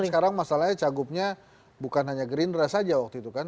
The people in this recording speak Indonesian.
sekarang masalahnya cagupnya bukan hanya gerindra saja waktu itu kan